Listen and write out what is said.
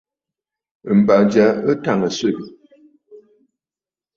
M̀bà ja ɨ tàŋə̀ swegè.